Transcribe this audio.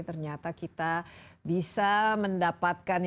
ternyata kita bisa mendapatkan